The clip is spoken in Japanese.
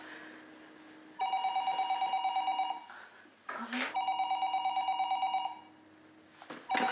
☎☎ごめん。